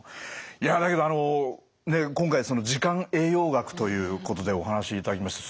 いやだけどあの今回時間栄養学ということでお話しいただきました。